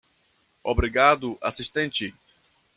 Obrigado assistente